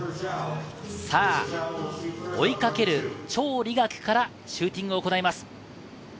追いかけるチョウ・リガクからシューティングを行います。